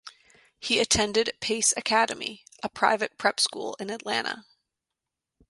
He attended Pace Academy, a private prep school in Atlanta.